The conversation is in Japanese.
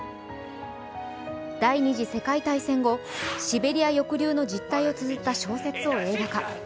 第二次世界大戦後、シベリア抑留の実態をつづった小説を映画化。